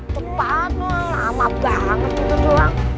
cepat loh lama banget itu doang